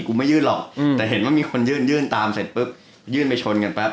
กูไม่ยื่นหรอกแต่เห็นว่ามีคนยื่นตามเสร็จปุ๊บยื่นไปชนกันแปบ